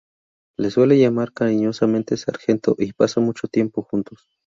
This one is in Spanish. Le suele llamar cariñosamente "sargento" y pasan mucho tiempo juntos.